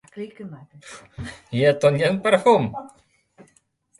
Je to njen parfum?